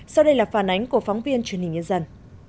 sau đây là phản ánh của phóng viên truyền hình nhân dân